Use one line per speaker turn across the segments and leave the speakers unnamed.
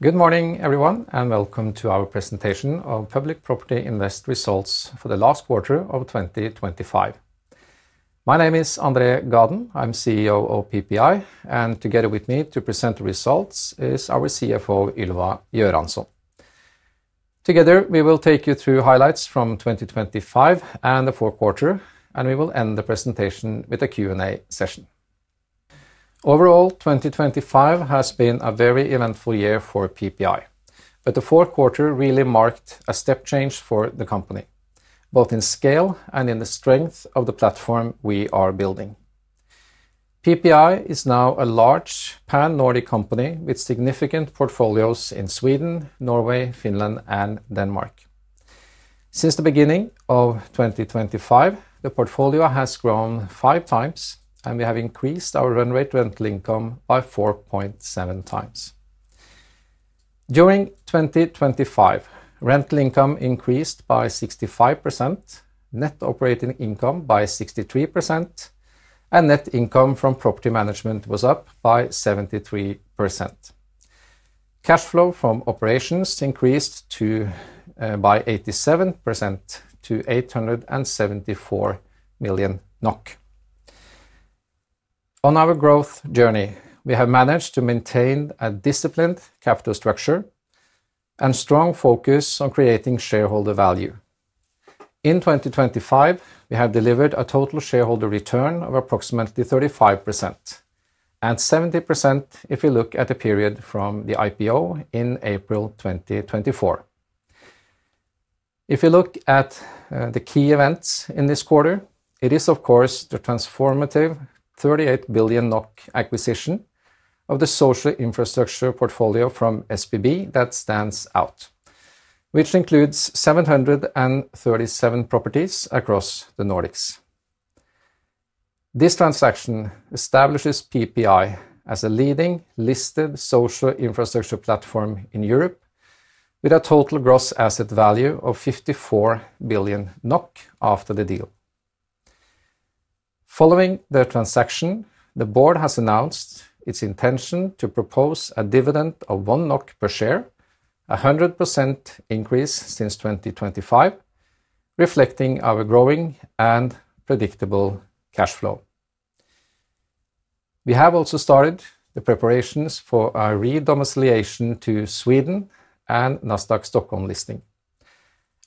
Good morning, everyone, and welcome to our presentation of Public Property Invest Results for the Last Quarter of 2025. My name is André Gaden. I'm CEO of PPI, and together with me to present the results is our CFO, Ylva Göransson. Together, we will take you through highlights from 2025 and the fourth quarter. We will end the presentation with a Q&A session. Overall, 2025 has been a very eventful year for PPI. The fourth quarter really marked a step change for the company, both in scale and in the strength of the platform we are building. PPI is now a large pan-Nordic company with significant portfolios in Sweden, Norway, Finland, and Denmark. Since the beginning of 2025, the portfolio has grown 5x. We have increased our run rate rental income by 4.7x. During 2025, rental income increased by 65%, Net Operating Income by 63%, and net income from property management was up by 73%. Cash flow from operations increased by 87% to 874 million NOK. On our growth journey, we have managed to maintain a disciplined capital structure and strong focus on creating shareholder value. In 2025, we have delivered a total shareholder return of approximately 35%, and 70% if you look at the period from the IPO in April 2024. If you look at the key events in this quarter, it is, of course, the transformative 38 billion NOK acquisition of the social infrastructure portfolio from SBB that stands out, which includes 737 properties across the Nordics. This transaction establishes PPI as a leading listed social infrastructure platform in Europe, with a total gross asset value of 54 billion NOK after the deal. Following the transaction, the board has announced its intention to propose a dividend of 1 NOK per share, a 100% increase since 2025, reflecting our growing and predictable cash flow. We have also started the preparations for our re-domiciliation to Sweden and Nasdaq Stockholm listing,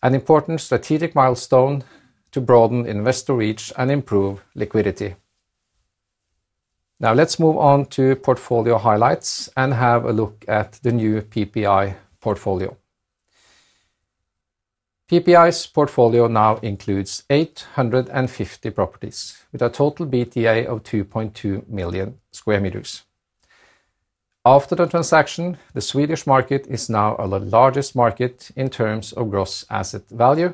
an important strategic milestone to broaden investor reach and improve liquidity. Let's move on to portfolio highlights and have a look at the new PPI portfolio. PPI's portfolio now includes 850 properties with a total BTA of 2.2 million square meters. After the transaction, the Swedish market is now our largest market in terms of gross asset value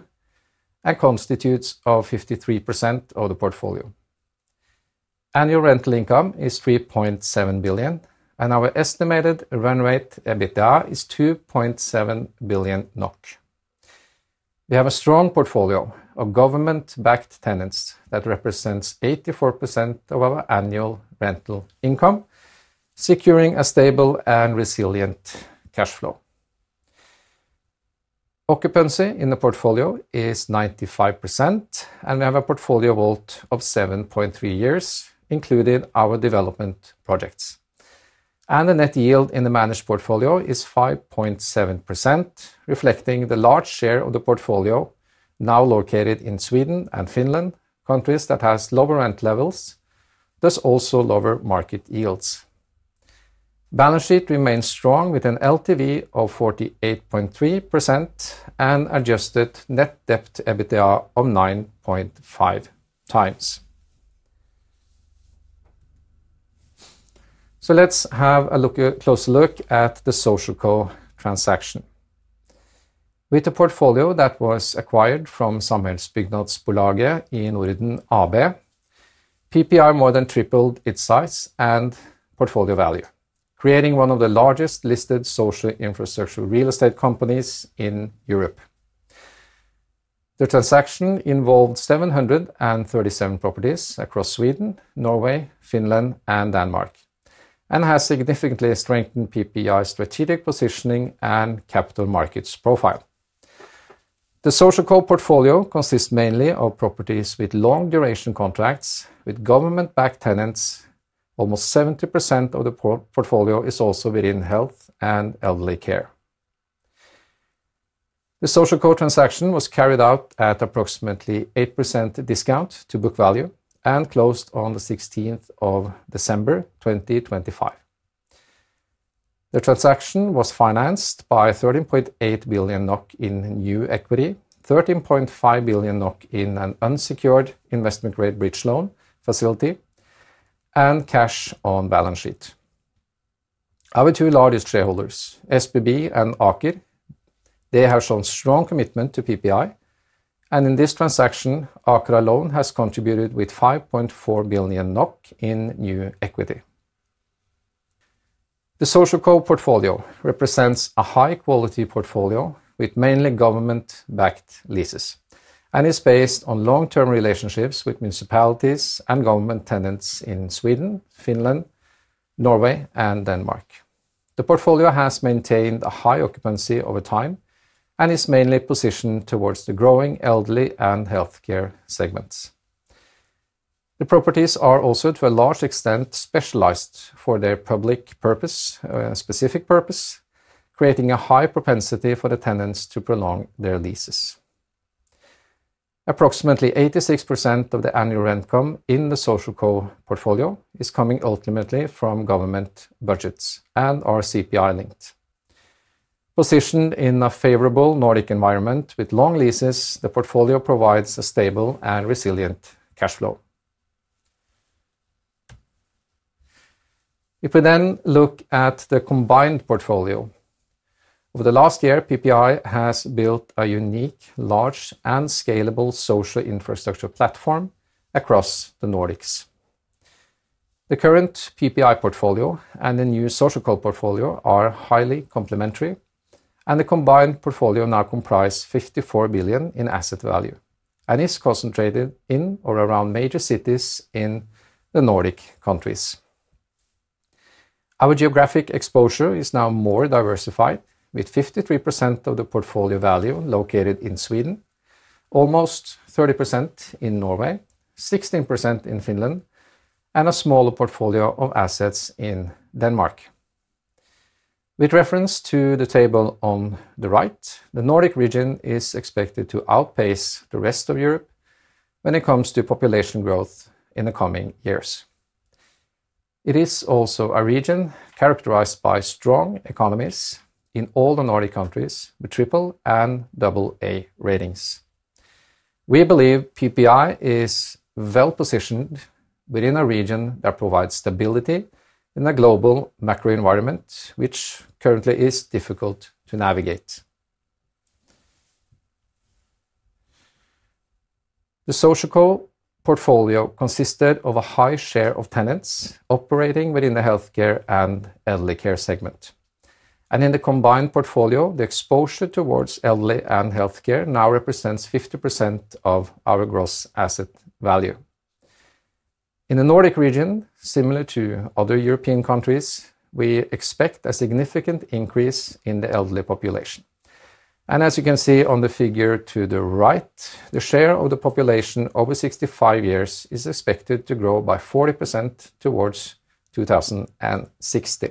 and constitutes of 53% of the portfolio. Annual rental income is 3.7 billion, our estimated run rate EBITDA is 2.7 billion NOK. We have a strong portfolio of government-backed tenants that represents 84% of our annual rental income, securing a stable and resilient cash flow. Occupancy in the portfolio is 95%, and we have a portfolio WAULT of 7.3 years, including our development projects. The net yield in the managed portfolio is 5.7%, reflecting the large share of the portfolio now located in Sweden and Finland, countries that has lower rent levels, thus also lower market yields. Balance sheet remains strong, with an LTV of 48.3% and adjusted Net Debt to EBITDA of 9.5x. Let's have a closer look at the SocialCo transaction. With a portfolio that was acquired from Samhällsbyggnadsbolaget i Norden AB, PPI more than tripled its size and portfolio value, creating one of the largest listed social infrastructure real estate companies in Europe. The transaction involved 737 properties across Sweden, Norway, Finland, and Denmark, and has significantly strengthened PPI's strategic positioning and capital markets profile. The SocialCo portfolio consists mainly of properties with long-duration contracts with government-backed tenants. Almost 70% of the portfolio is also within health and elderly care. The SocialCo transaction was carried out at approximately 8% discount to book value and closed on the 16th of December, 2025. The transaction was financed by 13.8 billion NOK in new equity, 13.5 billion NOK in an unsecured investment-grade bridge loan facility, and cash on balance sheet. Our two largest shareholders, SBB and Aker, they have shown strong commitment to PPI, and in this transaction, Aker alone has contributed with 5.4 billion NOK in new equity. The SocialCo portfolio represents a high-quality portfolio with mainly government-backed leases and is based on long-term relationships with municipalities and government tenants in Sweden, Finland, Norway, and Denmark. The portfolio has maintained a high occupancy over time, and is mainly positioned towards the growing elderly and healthcare segments. The properties are also, to a large extent, specialized for their public purpose, specific purpose, creating a high propensity for the tenants to prolong their leases. Approximately 86% of the annual rent income in the SocialCo portfolio is coming ultimately from government budgets and are CPI linked. Positioned in a favorable Nordic environment with long leases, the portfolio provides a stable and resilient cash flow. Looking at the combined portfolio, over the last year, PPI has built a unique, large, and scalable social infrastructure platform across the Nordics. The current PPI portfolio and the new SocialCo portfolio are highly complementary, and the combined portfolio now comprise 54 billion in asset value, and is concentrated in or around major cities in the Nordic countries. Our geographic exposure is now more diversified, with 53% of the portfolio value located in Sweden, almost 30% in Norway, 16% in Finland, and a smaller portfolio of assets in Denmark. With reference to the table on the right, the Nordic region is expected to outpace the rest of Europe when it comes to population growth in the coming years. It is also a region characterized by strong economies in all the Nordic countries, with AAA and AA ratings. We believe PPI is well-positioned within a region that provides stability in a global macro environment, which currently is difficult to navigate. The SocialCo portfolio consisted of a high share of tenants operating within the healthcare and elderly care segment. In the combined portfolio, the exposure towards elderly and healthcare now represents 50% of our gross asset value. In the Nordic region, similar to other European countries, we expect a significant increase in the elderly population. As you can see on the figure to the right, the share of the population over 65 years is expected to grow by 40% towards 2060.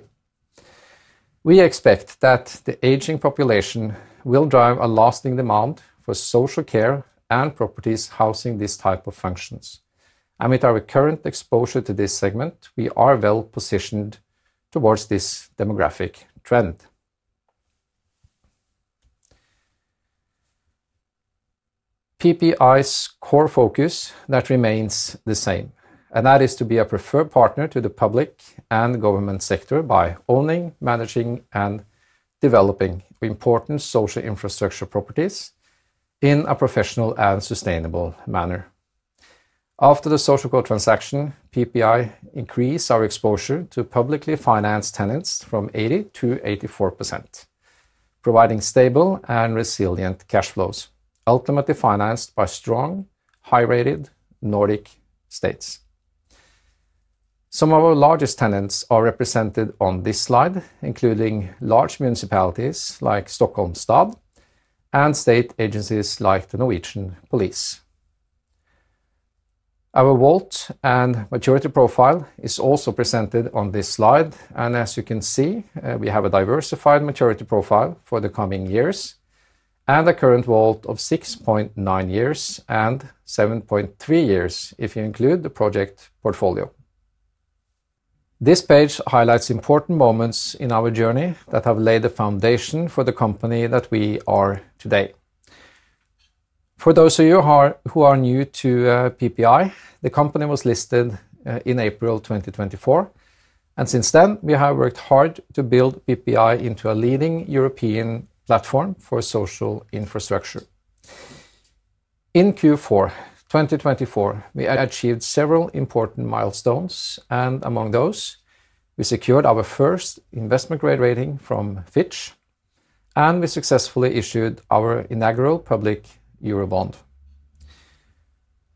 We expect that the aging population will drive a lasting demand for social care and properties housing this type of functions. With our current exposure to this segment, we are well positioned towards this demographic trend. PPI's core focus that remains the same, that is to be a preferred partner to the public and government sector by owning, managing, and developing important social infrastructure properties in a professional and sustainable manner. After the SocialCo transaction, PPI increased our exposure to publicly financed tenants from 80% to 84%, providing stable and resilient cash flows, ultimately financed by strong, high-rated Nordic states. Some of our largest tenants are represented on this slide, including large municipalities like Stockholms stad and state agencies like the Norwegian Police. Our WAULT and maturity profile is also presented on this slide, as you can see, we have a diversified maturity profile for the coming years and a current WAULT of 6.9 years and 7.3 years, if you include the project portfolio. This page highlights important moments in our journey that have laid the foundation for the company that we are today. For those of you who are new to PPI, the company was listed in April 2024. Since then, we have worked hard to build PPI into a leading European platform for social infrastructure. In Q4 2024, we achieved several important milestones. Among those, we secured our first investment-grade rating from Fitch. We successfully issued our inaugural public Eurobond.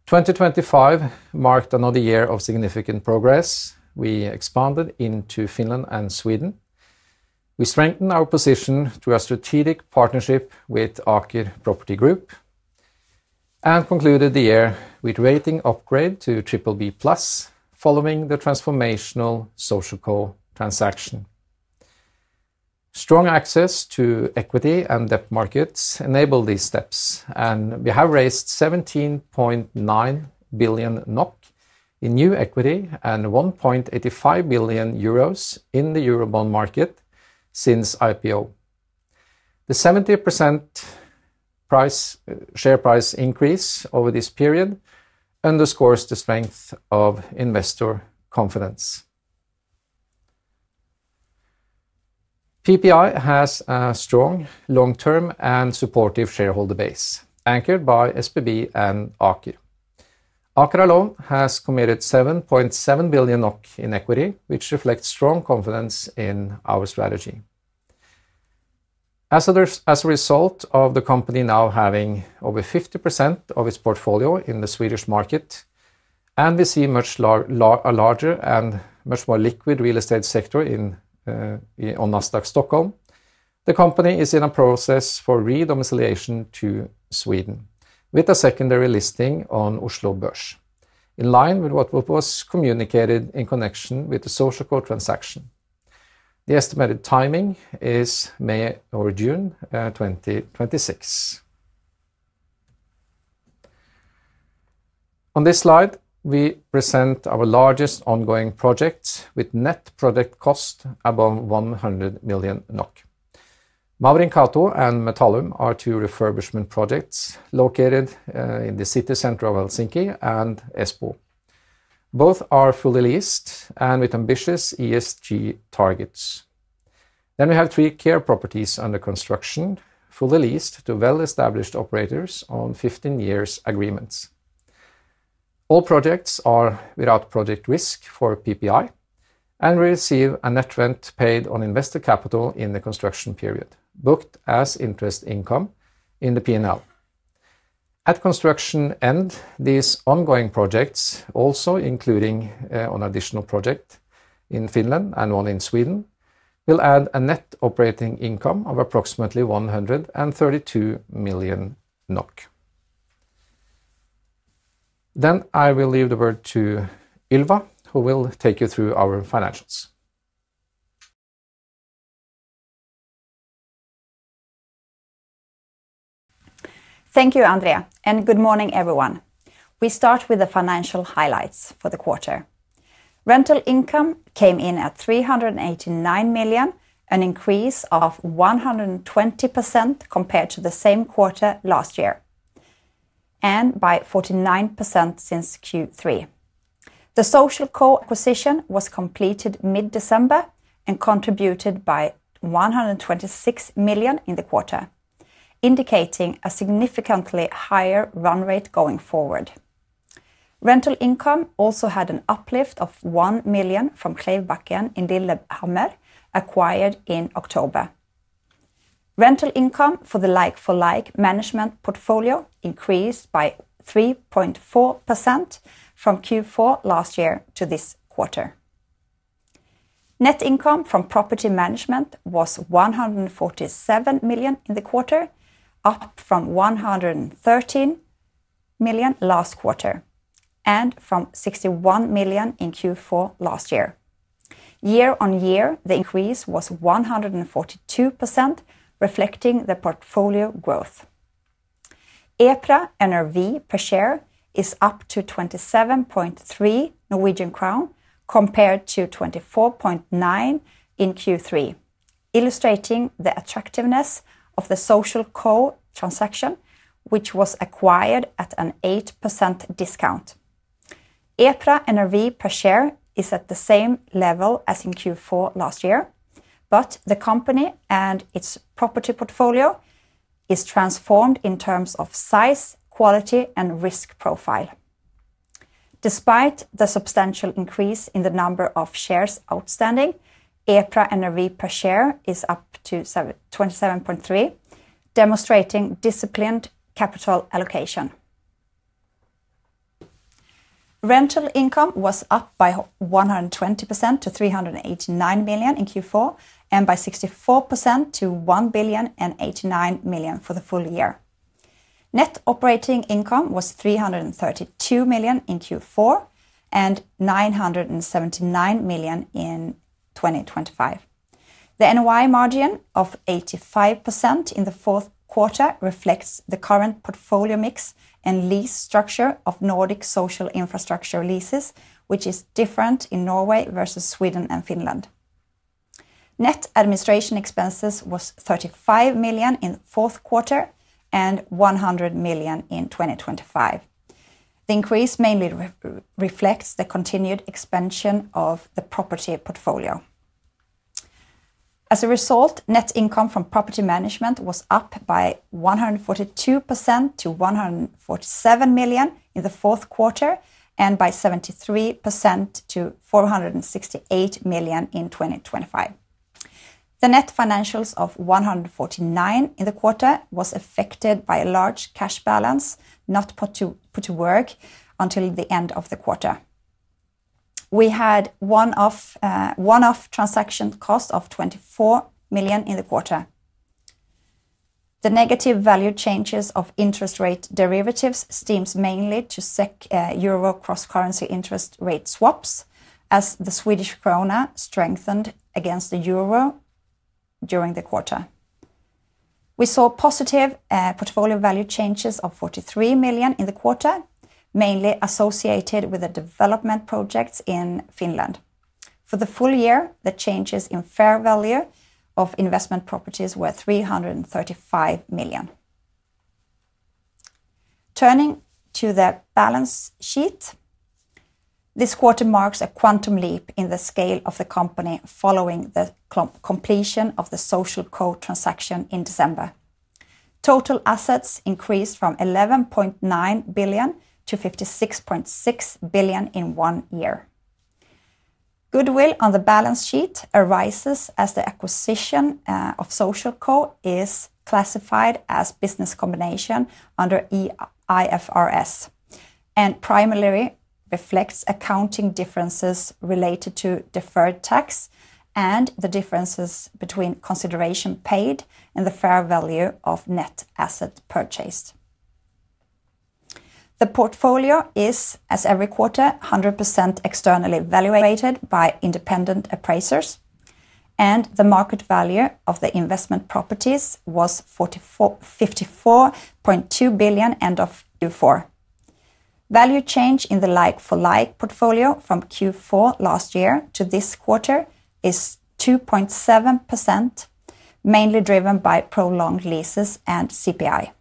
2025 marked another year of significant progress. We expanded into Finland and Sweden. We strengthened our position through a strategic partnership with Aker Property Group. We concluded the year with rating upgrade to BBB+, following the transformational SocialCo transaction. Strong access to equity and debt markets enabled these steps. We have raised 17.9 billion NOK in new equity and 1.85 billion euros in the Eurobond market since IPO. The 70% share price increase over this period underscores the strength of investor confidence. PPI has a strong, long-term, and supportive shareholder base, anchored by SBB and Aker. Aker alone has committed 7.7 billion NOK in equity, which reflects strong confidence in our strategy. As a result of the company now having over 50% of its portfolio in the Swedish market, and we see a larger and much more liquid real estate sector in Nasdaq Stockholm, the company is in a process for re-domiciliation to Sweden, with a secondary listing on Oslo Børs. In line with what was communicated in connection with the SocialCo transaction, the estimated timing is May or June 2026. On this slide, we present our largest ongoing projects with net project cost above 100 million NOK. Maurinkatu and Metallum are two refurbishment projects located in the city center of Helsinki and Espoo. Both are fully leased and with ambitious ESG targets. We have three care properties under construction, fully leased to well-established operators on 15-years agreements. All projects are without project risk for PPI, and we receive a net rent paid on invested capital in the construction period, booked as interest income in the P&L. At construction end, these ongoing projects, also including an additional project in Finland and one in Sweden, will add a Net Operating Income of approximately 132 million NOK. I will leave the word to Ylva, who will take you through our financials.
Thank you, André. Good morning, everyone. We start with the financial highlights for the quarter. Rental income came in at 389 million, an increase of 120% compared to the same quarter last year, and by 49% since Q3. The SocialCo acquisition was completed mid-December and contributed by 126 million in the quarter, indicating a significantly higher run rate going forward. Rental income also had an uplift of 1 million from Kleivbakken in Lillehammer, acquired in October. Rental income for the like-for-like management portfolio increased by 3.4% from Q4 last year to this quarter. Net income from property management was 147 million in the quarter, up from 113 million last quarter, and from 61 million in Q4 last year. Year-on-year, the increase was 142%, reflecting the portfolio growth. EPRA NRV per share is up to 27.3 Norwegian crown, compared to 24.9 in Q3, illustrating the attractiveness of the SocialCo transaction, which was acquired at an 8% discount. EPRA NRV per share is at the same level as in Q4 last year, but the company and its property portfolio is transformed in terms of size, quality, and risk profile. Despite the substantial increase in the number of shares outstanding, EPRA NRV per share is up to 27.3, demonstrating disciplined capital allocation. Rental income was up by 120% to 389 million in Q4, and by 64% to 1.089 billion for the full year. Net Operating Income was 332 million in Q4 and 979 million in 2025. The NOI margin of 85% in the fourth quarter reflects the current portfolio mix and lease structure of Nordic social infrastructure leases, which is different in Norway versus Sweden and Finland. Net administration expenses was 35 million in the fourth quarter and 100 million in 2025. The increase mainly reflects the continued expansion of the property portfolio. As a result, Net income from property management was up by 142% to 147 million in the fourth quarter, and by 73% to 468 million in 2025. The Net financials of 149 million in the quarter was affected by a large cash balance, not put to work until the end of the quarter. We had one-off, one-off transaction costs of 24 million in the quarter. The negative value changes of interest rate derivatives stems mainly to SEK euro cross-currency interest rate swaps, as the Swedish krona strengthened against the euro during the quarter. We saw positive, portfolio value changes of 43 million in the quarter, mainly associated with the development projects in Finland. For the full year, the changes in fair value of investment properties were 335 million. Turning to the balance sheet, this quarter marks a quantum leap in the scale of the company, following the completion of the SocialCo transaction in December. Total assets increased from 11.9 billion to 56.6 billion in one year. Goodwill on the balance sheet arises as the acquisition of SocialCo is classified as business combination under IFRS, and primarily reflects accounting differences related to deferred tax and the differences between consideration paid and the fair value of net assets purchased. The portfolio is, as every quarter, 100% externally evaluated by independent appraisers, and the market value of the investment properties was 54.2 billion end of Q4. Value change in the like-for-like portfolio from Q4 last year to this quarter is 2.7%, mainly driven by prolonged leases and CPI.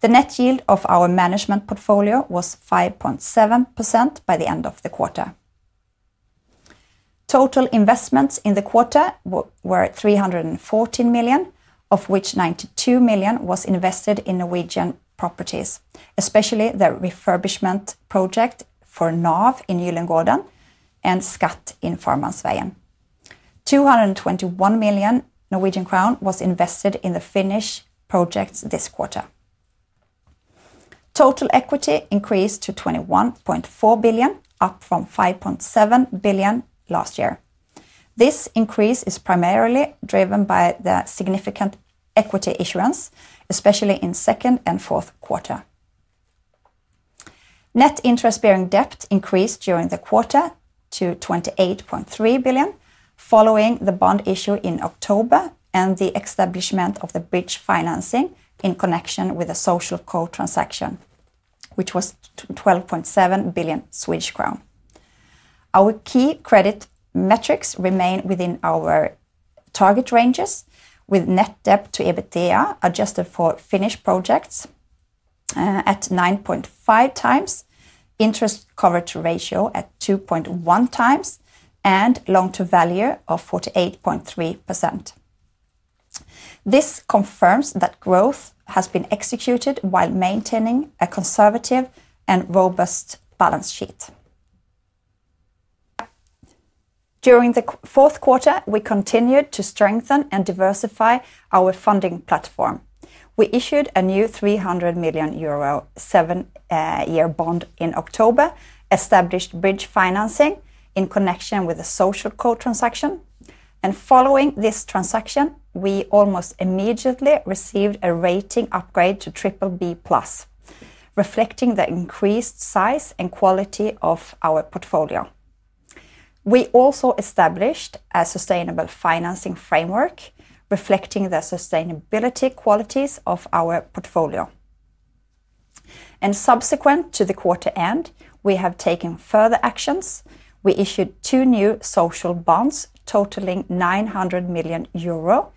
The net yield of our management portfolio was 5.7% by the end of the quarter. Total investments in the quarter were 314 million, of which 92 million was invested in Norwegian properties, especially the refurbishment project for NAV in Gyldengården and Skatt in Farmannsveien. 221 million Norwegian crown was invested in the Finnish projects this quarter. Total equity increased to 21.4 billion, up from 5.7 billion last year. This increase is primarily driven by the significant equity issuance, especially in second and fourth quarter. Net interest-bearing debt increased during the quarter to 28.3 billion, following the bond issue in October and the establishment of the bridge financing in connection with the SocialCo transaction, which was 12.7 billion Swedish crown. Our key credit metrics remain within our target ranges, with Net Debt to EBITDA, adjusted for Finnish projects, at 9.5x, Interest Coverage Ratio at 2.1x, and loan-to-value of 48.3%. This confirms that growth has been executed while maintaining a conservative and robust balance sheet. During the fourth quarter, we continued to strengthen and diversify our funding platform. We issued a new 300 million euro, seven-year bond in October, established bridge financing in connection with the SocialCo transaction, and following this transaction, we almost immediately received a rating upgrade to BBB+, reflecting the increased size and quality of our portfolio. We also established a sustainable financing framework, reflecting the sustainability qualities of our portfolio. Subsequent to the quarter end, we have taken further actions. We issued two new social bonds, totaling 900 million euro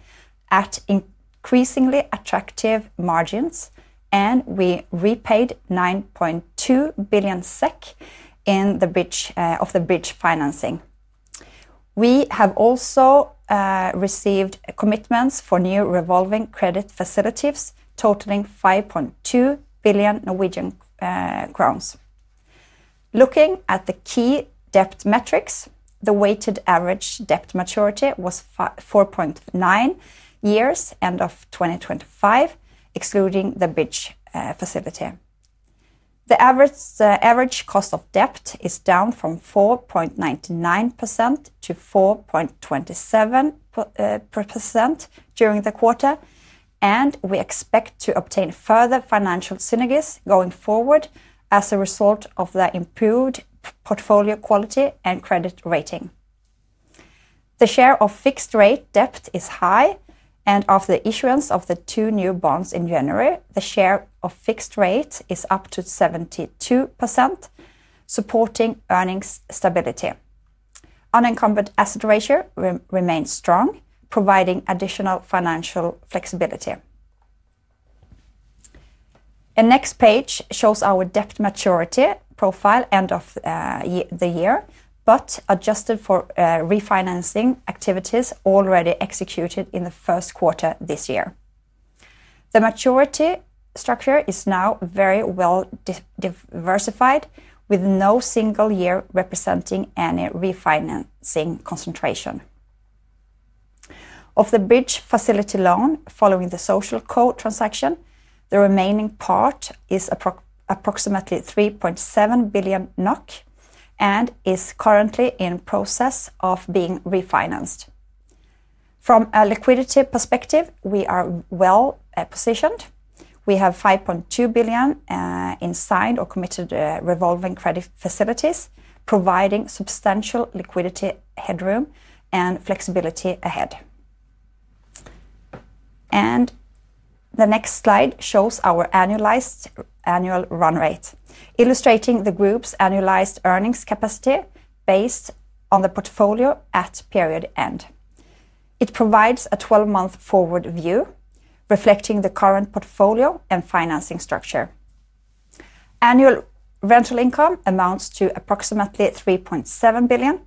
at increasingly attractive margins, and we repaid 9.2 billion SEK in the bridge of the bridge financing. We have also received commitments for new revolving credit facilities totaling 5.2 billion Norwegian crowns. Looking at the key debt metrics, the weighted average debt maturity was 4.9 years, end of 2025, excluding the bridge facility. The average cost of debt is down from 4.99% to 4.27% during the quarter, and we expect to obtain further financial synergies going forward as a result of the improved portfolio quality and credit rating. The share of fixed rate debt is high, and of the issuance of the two new bonds in January, the share of fixed rate is up to 72%, supporting earnings stability. Unencumbered Asset Ratio remains strong, providing additional financial flexibility. The next page shows our debt maturity profile end of the year, but adjusted for refinancing activities already executed in the first quarter this year. The maturity structure is now very well diversified, with no single year representing any refinancing concentration. Of the bridge facility loan, following the SocialCo transaction, the remaining part is approximately 3.7 billion NOK, and is currently in process of being refinanced. From a liquidity perspective, we are well positioned. We have 5.2 billion in signed or committed revolving credit facilities, providing substantial liquidity headroom and flexibility ahead. The next slide shows our annualized annual run rate, illustrating the group's annualized earnings capacity based on the portfolio at period end. It provides a 12-month forward view, reflecting the current portfolio and financing structure. Annual rental income amounts to approximately 3.7 billion,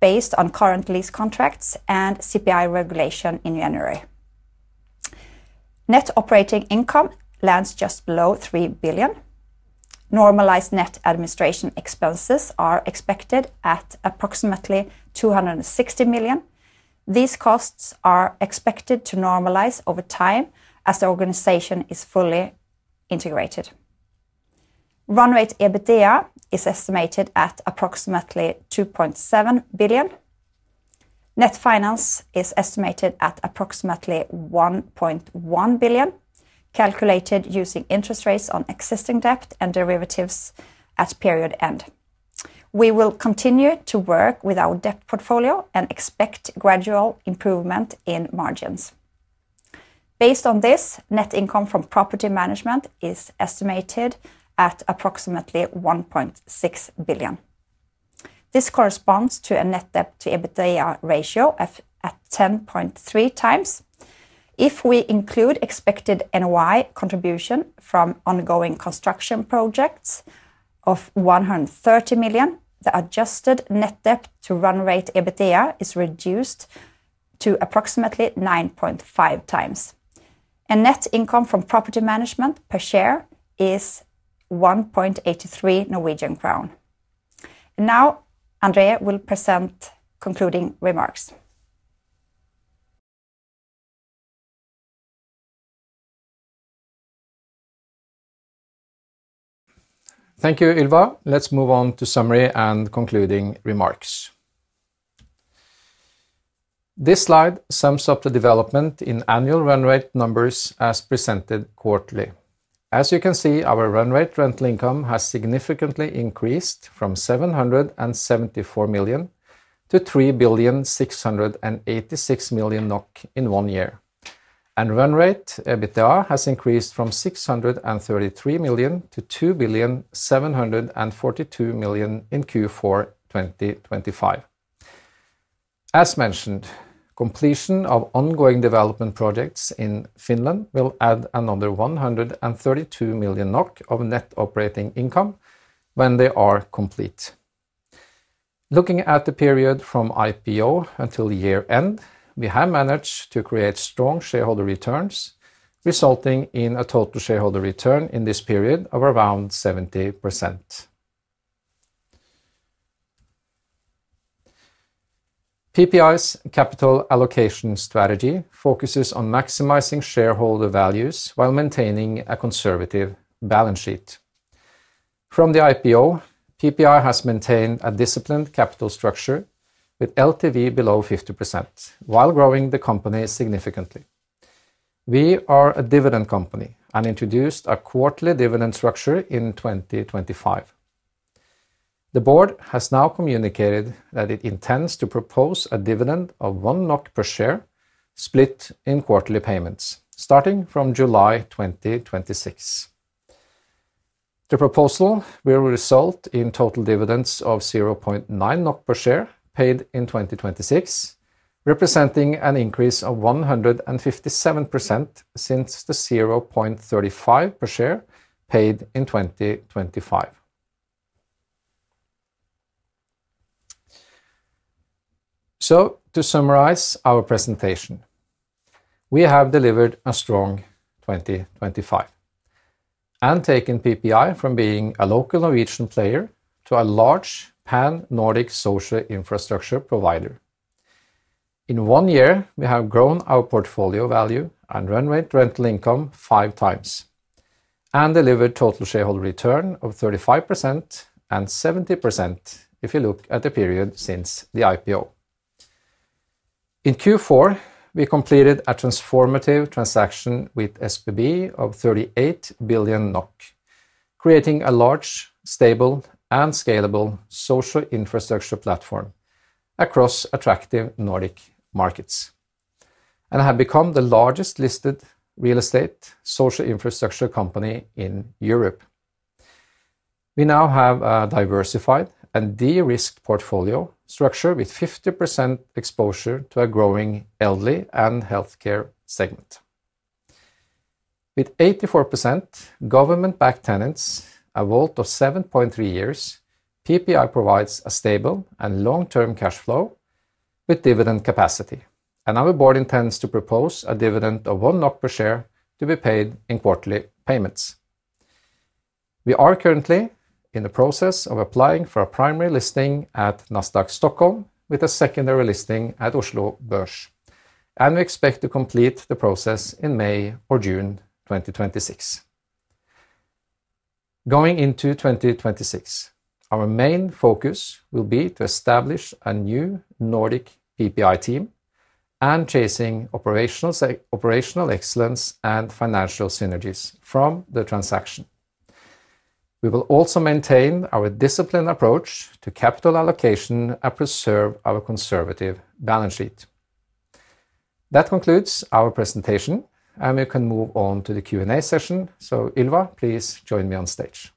based on current lease contracts and CPI regulation in January. Net Operating Income lands just below 3 billion. Normalized net administration expenses are expected at approximately 260 million. These costs are expected to normalize over time as the organization is fully integrated. Run rate EBITDA is estimated at approximately 2.7 billion. Net finance is estimated at approximately 1.1 billion, calculated using interest rates on existing debt and derivatives at period end. We will continue to work with our debt portfolio and expect gradual improvement in margins. Based on this, net income from property management is estimated at approximately 1.6 billion. This corresponds to a Net Debt to EBITDA ratio at 10.3x. If we include expected NOI contribution from ongoing construction projects of 130 million, the adjusted Net Debt to EBITDA is reduced to approximately 9.5x, and net income from property management per share is 1.83 Norwegian crown. Andrea will present concluding remarks.
Thank you, Ylva. Let's move on to summary and concluding remarks. This slide sums up the development in annual run rate numbers as presented quarterly. You can see, our run rate rental income has significantly increased from 774 million to 3,686 million NOK in one year, and run rate EBITDA has increased from 633 million to 2,742 million in Q4 2025. Mentioned, completion of ongoing development projects in Finland will add another 132 million NOK of Net Operating Income when they are complete. Looking at the period from IPO until year-end, we have managed to create strong shareholder returns, resulting in a total shareholder return in this period of around 70%. PPI's capital allocation strategy focuses on maximizing shareholder values while maintaining a conservative balance sheet. From the IPO, PPI has maintained a disciplined capital structure with LTV below 50%, while growing the company significantly. We are a dividend company and introduced a quarterly dividend structure in 2025. The board has now communicated that it intends to propose a dividend of 1 NOK per share, split in quarterly payments starting from July 2026. The proposal will result in total dividends of 0.9 NOK per share paid in 2026, representing an increase of 157% since the 0.35 NOK per share paid in 2025. To summarize our presentation, we have delivered a strong 2025 and taken PPI from being a local Norwegian player to a large pan-Nordic social infrastructure provider. In one year, we have grown our portfolio value and run rate rental income 5x and delivered total shareholder return of 35%, and 70% if you look at the period since the IPO. In Q4, we completed a transformative transaction with SBB of 38 billion NOK, creating a large, stable, and scalable social infrastructure platform across attractive Nordic markets, and have become the largest listed real estate social infrastructure company in Europe. We now have a diversified and de-risked portfolio structure with 50% exposure to a growing elderly and healthcare segment. With 84% government-backed tenants, a WAULT of 7.3 years, PPI provides a stable and long-term cash flow with dividend capacity, and our board intends to propose a dividend of 1 NOK per share to be paid in quarterly payments. We are currently in the process of applying for a primary listing at Nasdaq Stockholm, with a secondary listing at Oslo Børs. We expect to complete the process in May or June 2026. Going into 2026, our main focus will be to establish a new Nordic PPI team and chasing operational excellence and financial synergies from the transaction. We will also maintain our disciplined approach to capital allocation and preserve our conservative balance sheet. That concludes our presentation, and we can move on to the Q&A session. Ylva, please join me on stage.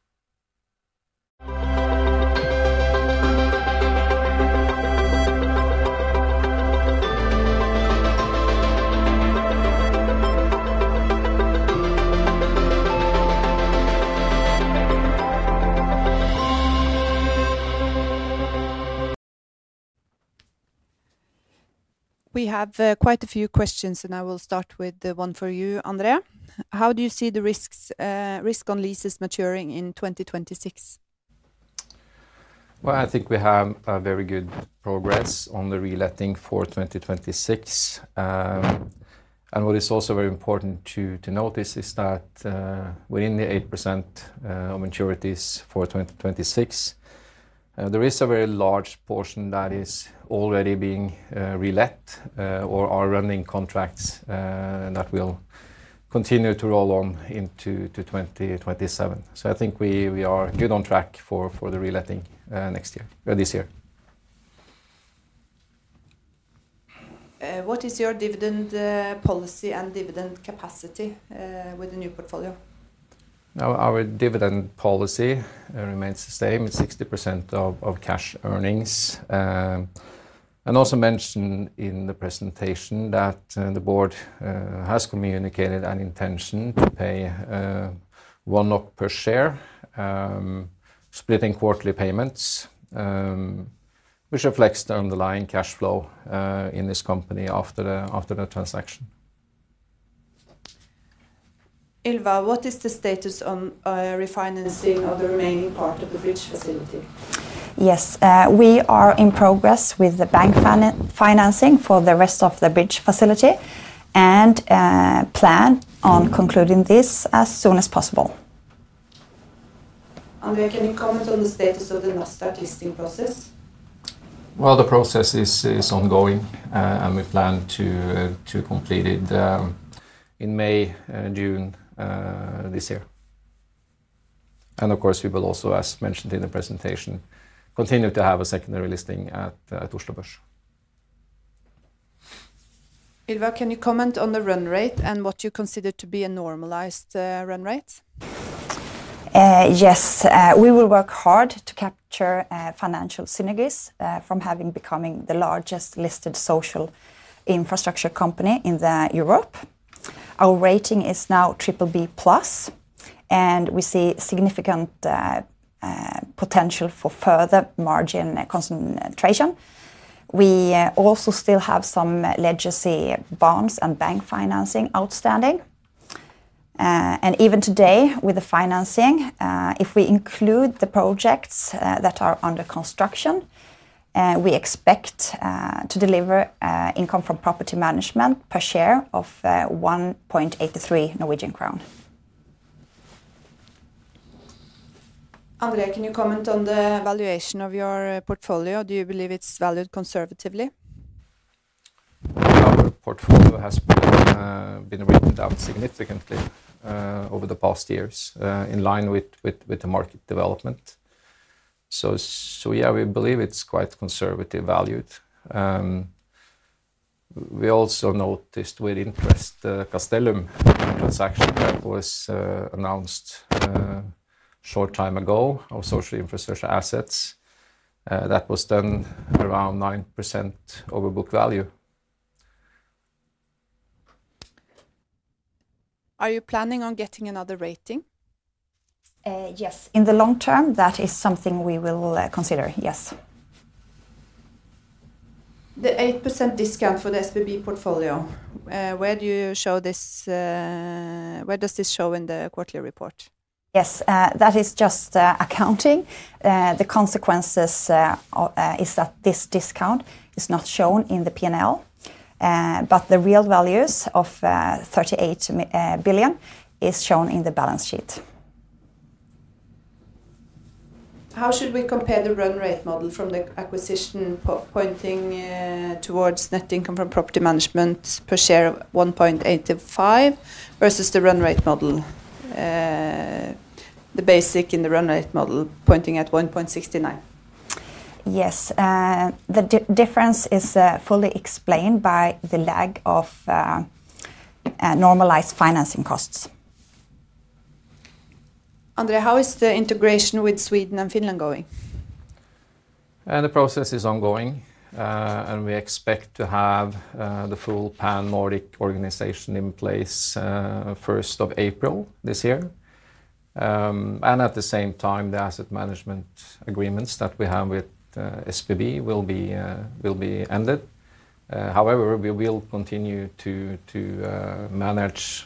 We have, quite a few questions, and I will start with, one for you, André. How do you see the risks, risk on leases maturing in 2026?
Well, I think we have a very good progress on the reletting for 2026. What is also very important to notice is that, within the 8% maturities for 2026, there is a very large portion that is already being relet, or are running contracts, that will continue to roll on into 2027. I think we are good on track for the reletting, next year, or this year.
What is your dividend policy and dividend capacity with the new portfolio?
Our dividend policy remains the same, it's 60% of cash earnings. Mentioned in the presentation that the board has communicated an intention to pay 1 NOK per share, split in quarterly payments, which reflects the underlying cash flow in this company after the transaction.
Ylva, what is the status on refinancing of the remaining part of the bridge facility?
Yes. We are in progress with the bank financing for the rest of the bridge facility, and plan on concluding this as soon as possible.
André, can you comment on the status of the Nasdaq listing process?
Well, the process is ongoing, and we plan to complete it in May, June, this year. Of course, we will also, as mentioned in the presentation, continue to have a secondary listing at Oslo Børs.
Ylva, can you comment on the run rate and what you consider to be a normalized run rate?
Yes, we will work hard to capture financial synergies from having becoming the largest listed social infrastructure company in Europe. Our rating is now BBB+, and we see significant potential for further margin concentration. We also still have some legacy bonds and bank financing outstanding. Even today, with the financing, if we include the projects that are under construction, we expect to deliver income from property management per share of 1.83 Norwegian crown.
André, can you comment on the valuation of your portfolio? Do you believe it's valued conservatively?
Our portfolio has been written down significantly over the past years in line with the market development. Yeah, we believe it's quite conservative valued. We also noticed with interest Castellum transaction that was announced short time ago of social infrastructure assets that was done around 9% over book value.
Are you planning on getting another rating?
Yes. In the long term, that is something we will consider. Yes.
The 8% discount for the SBB portfolio, where does this show in the quarterly report?
Yes, that is just accounting. The consequences, is that this discount is not shown in the P&L. The real values of 38 billion is shown in the balance sheet.
How should we compare the run rate model from the acquisition pointing towards net income from property management per share of 1.85, versus the run rate model, the basic in the run rate model pointing at 1.69?
Yes. The difference is fully explained by the lag of normalized financing costs.
André, how is the integration with Sweden and Finland going?
The process is ongoing, and we expect to have the full Pan-Nordic organization in place first of April this year. At the same time, the asset management agreements that we have with SBB will be ended. However, we will continue to manage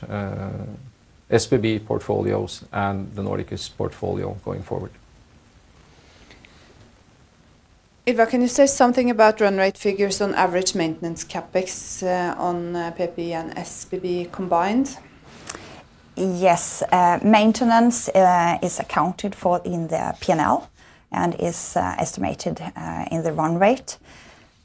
SBB portfolios and the Nordics portfolio going forward.
Ylva, can you say something about run rate figures on average maintenance CapEx, on PPI and SBB combined?
Maintenance is accounted for in the P&L and is estimated in the run rate.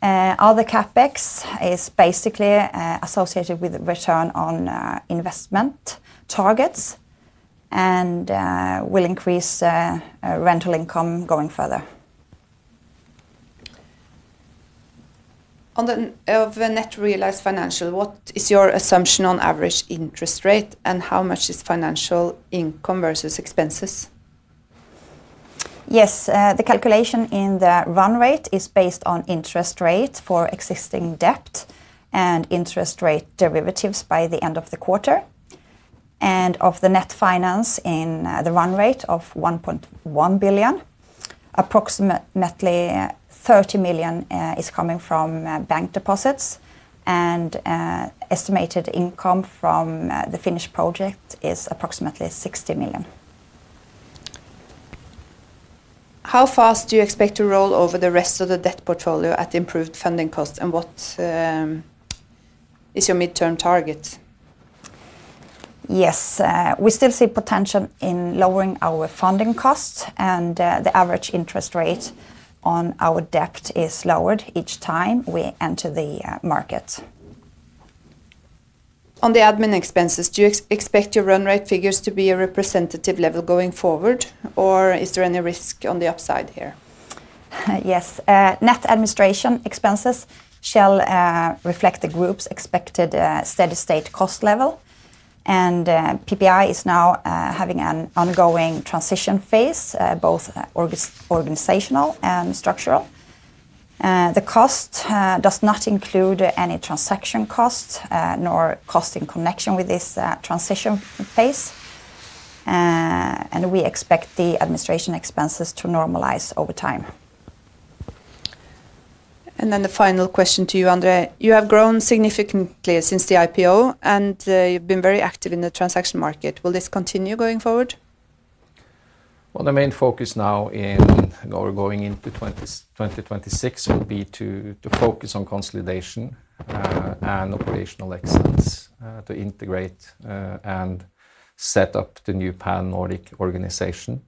All the CapEx is basically associated with return on investment targets, and will increase rental income going further.
Net realized financial, what is your assumption on average interest rate? How much is financial income versus expenses?
Yes, the calculation in the run rate is based on interest rate for existing debt and interest rate derivatives by the end of the quarter. Of the net finance in the run rate of 1.1 billion, approximately, 30 million is coming from bank deposits, and estimated income from the finished project is approximately 60 million.
How fast do you expect to roll over the rest of the debt portfolio at improved funding costs, and what is your midterm target?
We still see potential in lowering our funding costs. The average interest rate on our debt is lowered each time we enter the market.
On the admin expenses, do you expect your run rate figures to be a representative level going forward, or is there any risk on the upside here?
Yes. Net administration expenses shall reflect the group's expected steady-state cost level. PPI is now having an ongoing transition phase, both organizational and structural. The cost does not include any transaction costs, nor cost in connection with this transition phase. We expect the administration expenses to normalize over time.
The final question to you, André. You have grown significantly since the IPO, and you've been very active in the transaction market. Will this continue going forward?
Well, the main focus now or going into 2026, will be to focus on consolidation and operational excellence, to integrate and set up the new Pan-Nordic organization.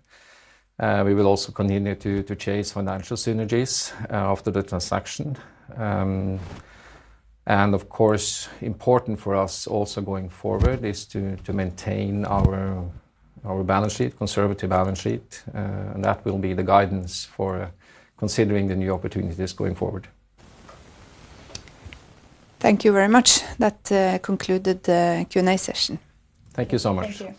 We will also continue to chase financial synergies after the transaction. Of course, important for us also going forward is to maintain our balance sheet, conservative balance sheet, and that will be the guidance for considering the new opportunities going forward.
Thank you very much. That concluded the Q&A session.
Thank you so much.
Thank you.